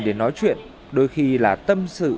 để nói chuyện đôi khi là tâm sự